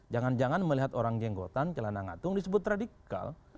jangan jangan melihat orang jenggotan celana ngatung disebut radikal